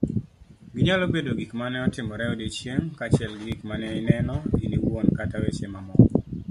Ginyalo bedo gik mane otimore eodiochieng' , kaachiel gi gik maneineno iniwuon kata weche mamoko